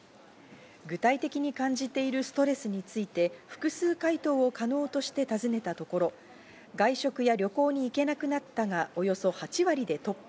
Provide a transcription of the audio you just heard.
具体的に感じているストレスについて複数回答可能として尋ねたところ、外食や旅行に行けなくなったが、およそ８割でトップ。